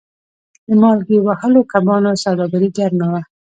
د مالګې وهلو کبانو سوداګري ګرمه وه.